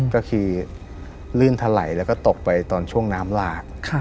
ก็คือลื่นถลายแล้วก็ตกไปตอนช่วงน้ำหลาก